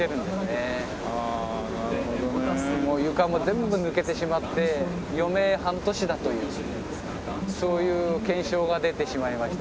もう床も全部抜けてしまって余命半年だというそういう検証が出てしまいました。